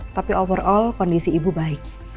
tapi overall kondisi ibu baik